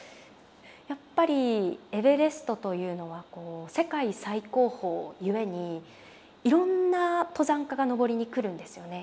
やっぱりエベレストというのはこう世界最高峰ゆえにいろんな登山家が登りに来るんですよね。